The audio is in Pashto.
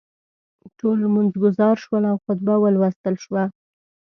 ټول لمونځ ګزار شول او خطبه ولوستل شوه.